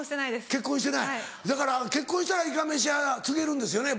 結婚してないだから結婚したらいかめし屋継げるんですよね？